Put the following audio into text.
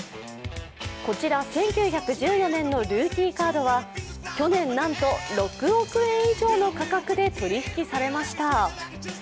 こちら１９１４年のルーキーカードは去年、なんと６億円以上の価格で取り引きされました。